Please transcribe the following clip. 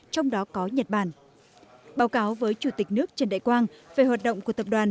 trong đó có nhật bản báo cáo với chủ tịch nước trần đại quang về hoạt động của tập đoàn